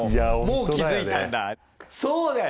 もう気付いたんだ。